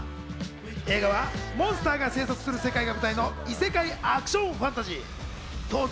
映画はモンスターが生息する世界が舞台の異世界アクションファンタジー。